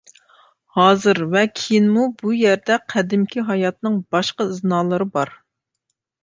ھازىر ۋە كېيىنمۇ بۇ يەردە قەدىمكى ھاياتنىڭ باشقا ئىزنالىرى بار.